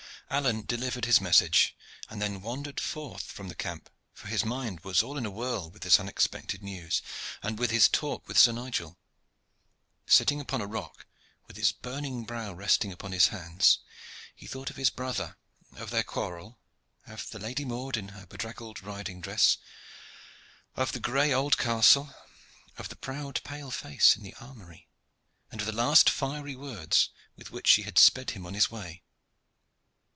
Alleyne delivered his message, and then wandered forth from the camp, for his mind was all in a whirl with this unexpected news, and with his talk with Sir Nigel. Sitting upon a rock, with his burning brow resting upon his hands, he thought of his brother, of their quarrel, of the Lady Maude in her bedraggled riding dress, of the gray old castle, of the proud pale face in the armory, and of the last fiery words with which she had sped him on his way.